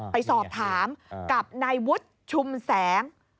ไปสอบถามกับนายวุฒิชุมแสง